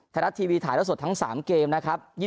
ไทยรัฐทีวีถ่ายแล้วสดทั้ง๓เกมนะครับ